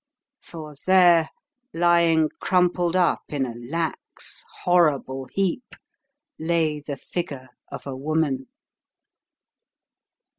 For there, lying crumpled up in a lax, horrible beap, lay the figure of a woman!